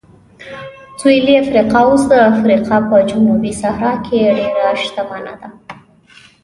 سویلي افریقا اوس د افریقا په جنوبي صحرا کې ډېره شتمنه ده.